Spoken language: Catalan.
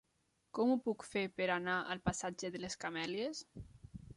Com ho puc fer per anar al passatge de les Camèlies?